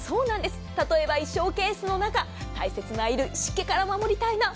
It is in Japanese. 例えば衣装ケースの中大切な衣類、湿気から守りたい。